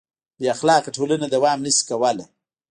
بېاخلاقه ټولنه دوام نهشي کولی.